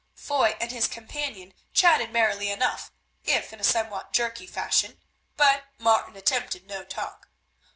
Foy and his companion chatted merrily enough, if in a somewhat jerky fashion, but Martin attempted no talk.